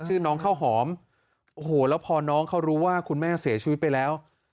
ชื่อน้องข้าวหอมโอ้โหแล้วพอน้องเขารู้ว่าคุณแม่เสียชีวิตไปแล้ว